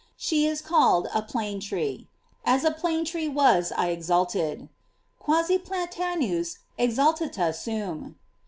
* She is called a plane tree: As a plane tree was I exalted: ' 'Quasi platauus exaltata sum."